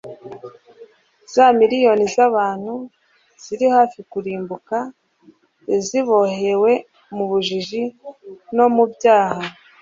Za miliyoni z'abantu ziri hafi kurimbuka zibohewe mu bujiji no mu byaha,